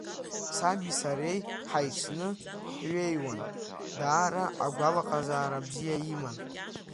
Саби сареи ҳаицны ҳҩеиуан, даара агәалаҟазаара бзиа иман.